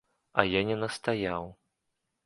А я не настаяў.